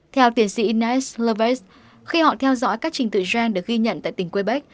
theo tiến sĩ ines loves khi họ theo dõi các trình tựu gene được ghi nhận tại tỉnh quebec